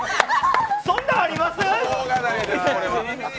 そんあんあります？